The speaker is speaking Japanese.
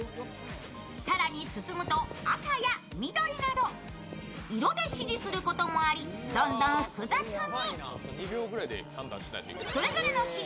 更に進むと赤や緑など色で指示することもありどんどん複雑に。